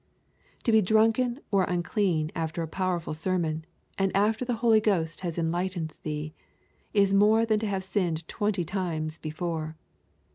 To be drunken or unclean after a powerful sermon, and after the Holy Ghost has enlightened thee, is more than to have so sinned twenty times before.